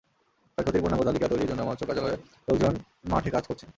ক্ষয়ক্ষতির পূর্ণাঙ্গ তালিকা তৈরির জন্য মৎস্য কার্যালয়ের লোকজন মাঠে কাজ করছেন।